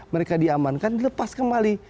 mereka diamankan dilepas kembali